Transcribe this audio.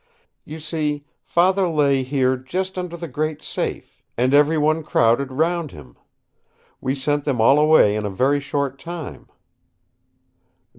You see, Father lay here just under the great safe, and every one crowded round him. We sent them all away in a very short time."